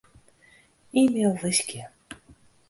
E-mail wiskje.